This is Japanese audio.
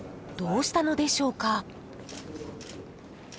どうしたのでしょうか？